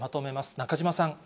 中島さん。